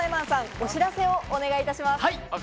お知らせ、お願いします。